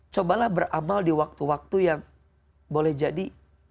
cobalah beramal di waktu waktu yang boleh jadi